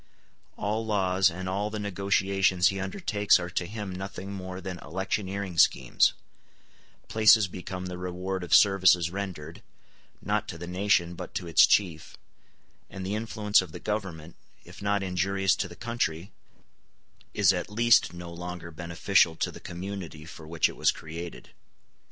All laws and all the negotiations he undertakes are to him nothing more than electioneering schemes; places become the reward of services rendered, not to the nation, but to its chief; and the influence of the government, if not injurious to the country, is at least no longer beneficial to the community for which it was created.